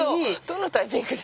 どのタイミングで？